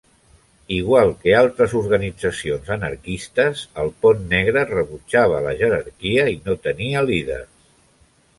Igual que altres organitzacions anarquistes, el Pont Negre rebutjava la jerarquia i no tenia líders.